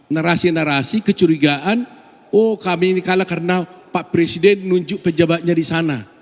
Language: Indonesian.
narasi narasi kecurigaan oh kami ini kalah karena pak presiden nunjuk pejabatnya di sana